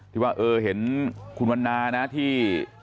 ที่ว่าเออเห็นคุณวันนานะที่